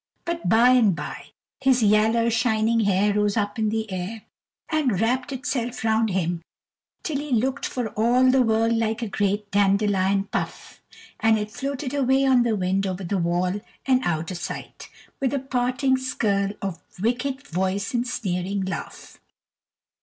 But by and by, his yaller shining hair rose up in the air, and wrapt itself round him till he looked for all the world like a great dandelion puff; and it floated away on the wind over the wall and out o' sight, with a parting skirl of wicked voice and sneering laugh.